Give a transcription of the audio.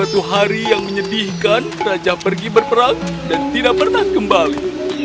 suatu hari yang menyedihkan raja pergi berperang dan tidak pernah kembali